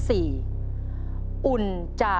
ขอบคุณครับ